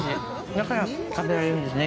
だから、食べられるんですね。